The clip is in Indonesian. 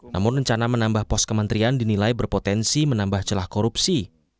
namun rencana menambah pos kementerian dinilai berpotensi menambah celah korupsi